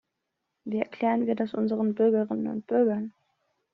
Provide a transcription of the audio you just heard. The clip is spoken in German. Wie erklären wir das unseren Bürgerinnen und Bürgern?